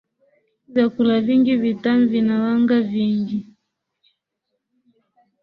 vyakula vingi vitamu vina wanga nyingi